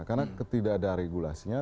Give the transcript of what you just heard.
karena tidak ada regulasinya